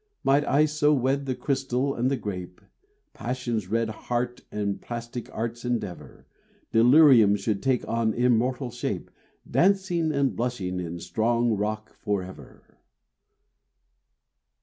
Might I so wed the crystal and the grape, Passion's red heart and plastic Art's endeavor, Delirium should take on immortal shape, Dancing and blushing in strong rock forever.